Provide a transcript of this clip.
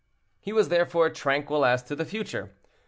He was therefore tranquil as to the future.